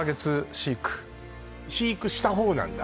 飼育飼育した方なんだ？